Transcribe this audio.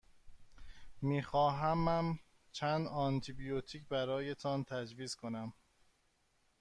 می خواهمم چند آنتی بیوتیک برایتان تجویز کنم.